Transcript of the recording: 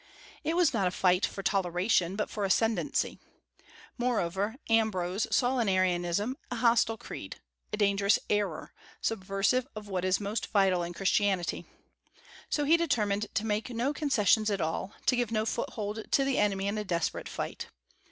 It was not a fight for toleration, but for ascendency. Moreover Ambrose saw in Arianism a hostile creed, a dangerous error, subversive of what is most vital in Christianity. So he determined to make no concessions at all, to give no foothold to the enemy in a desperate fight.